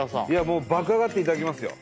もう爆上がっていただきますよ